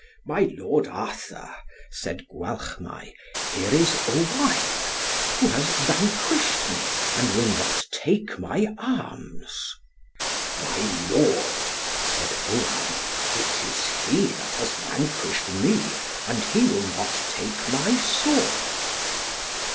"My lord Arthur," said Gwalchmai, "here is Owain, who has vanquished me, and will not take my arms." "My lord," said Owain, "it is he that has vanquished me, and he will not take my sword."